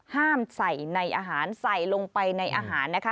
ห้ามใส่ในอาหารใส่ลงไปในอาหารนะคะ